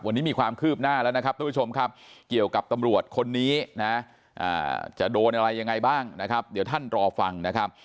วันนี้มีความคืบหน้าแล้วนะครับทุกผู้ชมครับเกี่ยวกับตำรวจคนนี้นะจะโดนอะไรยังไงบ้างนะครับเดี๋ยวท่านรอฟังนะครับ